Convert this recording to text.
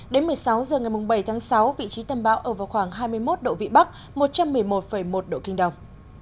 đến một mươi sáu h ngày bảy tháng sáu vị trí tâm bão ở vào khoảng hai mươi một độ vĩ bắc một trăm một mươi một một độ kinh đông